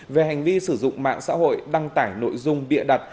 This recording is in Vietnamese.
về hành vi sử dụng mạng xã hội đăng tải nội dung bịa đặt